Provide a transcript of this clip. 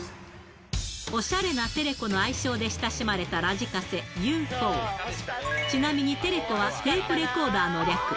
おしゃれなテレコの愛称で親しまれたラジカセ、Ｕ４ちなみにテレコはテープレコーダーの略。